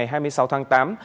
thành phố đã ghi nhận